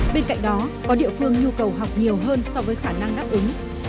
bên cạnh đó có địa phương nhu cầu học nhiều hơn so với khả năng đáp ứng